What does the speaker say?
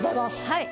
はい。